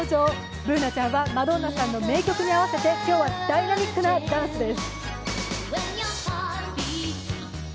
Ｂｏｏｎａちゃんは、マドンナさんの名曲に合わせて今日はダイナミックなダンスです。